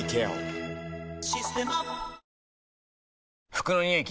服のニオイ